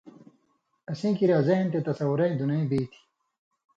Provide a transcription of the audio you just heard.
اسیں کریا ذہن تے تصورَیں دُنئ بی تھی،